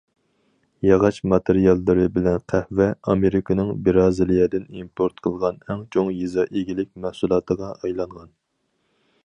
ياغاچ ماتېرىياللىرى بىلەن قەھۋە ئامېرىكىنىڭ بىرازىلىيەدىن ئىمپورت قىلغان ئەڭ چوڭ يېزا ئىگىلىك مەھسۇلاتىغا ئايلانغان.